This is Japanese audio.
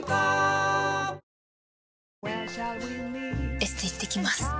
エステ行ってきます。